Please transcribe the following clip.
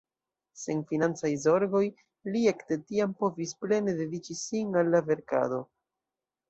Sen financaj zorgoj li ekde tiam povis plene dediĉi sin al la verkado.